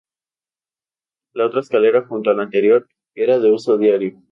La otra escalera, junto a la anterior, era de uso diario.